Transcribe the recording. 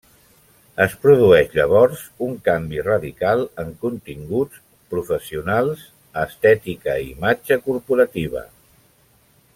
Es produeix llavors un canvi radical en continguts, professionals, estètica i imatge corporativa.